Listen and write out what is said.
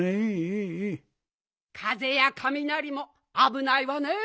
かぜやカミナリもあぶないわね。